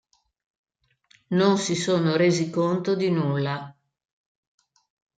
Non si sono resi conto di nulla.